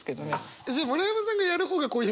じゃあ村山さんがやる方がこういうミス多い？